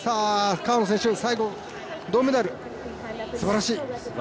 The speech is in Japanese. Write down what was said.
川野選手、最後、銅メダル、すばらしい。